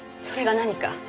それが何か？